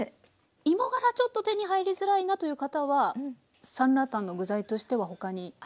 芋がらちょっと手に入りづらいなという方はサンラータンの具材としては他に？